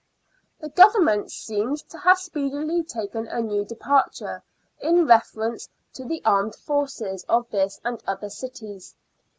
The Government seems to have speedily taken a new departure in reference to the armed forces of this and other cities.